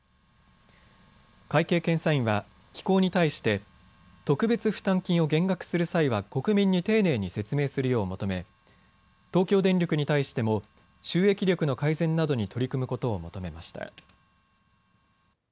会計検査院は機構に対して特別負担金を減額する際は国民に丁寧に説明するよう求め東京電力に対しても収益力の改善などに取り組むことを求めました。